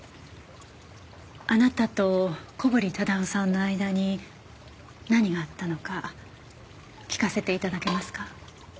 あなたと小堀忠夫さんの間に何があったのか聞かせて頂けますか？